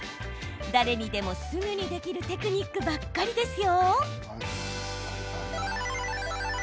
誰にでも、すぐにできるテクニックばかりですよ。